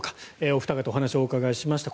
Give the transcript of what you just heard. お二方にお話をお伺いしました。